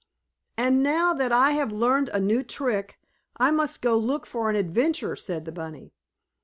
"And, now that I have learned a new trick, I must go look for an adventure," said the bunny.